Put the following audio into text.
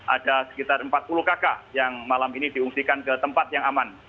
ada sekitar empat puluh kakak yang malam ini diungsikan ke tempat yang aman